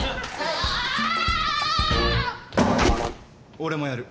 俺もやる。